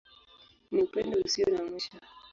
Ni Upendo Usio na Mwisho.